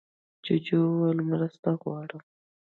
جوجو وویل مرسته غواړم.